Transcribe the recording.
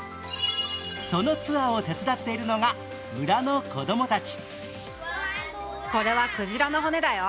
そのツアーを手伝っているのが村の子供たち。